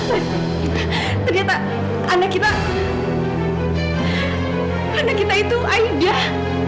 mas surya ternyata anak kita anak kita itu aida